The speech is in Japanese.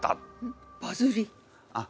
バズり？